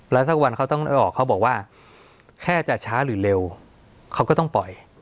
แล้วสักวันเขาต้องออกเขาบอกว่าแค่จะช้าหรือเร็วเขาก็ต้องปล่อย